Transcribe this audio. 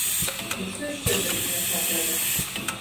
Бо што яшчэ для бубнача трэба?